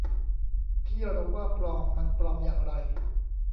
ที่เราว่า ปลอม มันปลอมอย่างไร